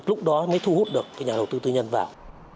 lúc đó mới thu hút được nhà đầu tư tư nhân vào